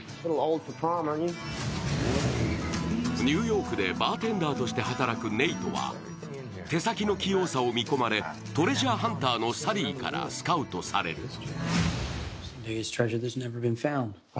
ニューヨークでバーテンダーとして働くネイトは、手先の器用さを見込まれトレジャーハンターのサリーからスカウトされる。